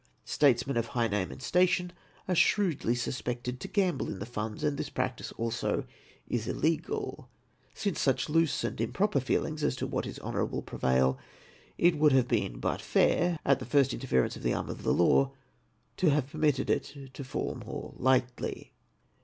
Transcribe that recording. Statesmen of high name and station are shrewdly suspected to gamble in the funds, and this practice also is illegal ;— since such loose and improper feelings as to what is honour able prevail, it would have been but fair, at the first inter ference of the arm of the law, to have permitted it to fall more lightly.